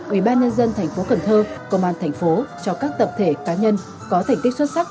ủy ban nhân dân tp cần thơ công an tp cho các tập thể cá nhân có thành tích xuất sắc